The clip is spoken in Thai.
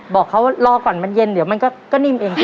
บอกเขารอก่อนมันเย็นเดี๋ยวมันก็นิ่มเอง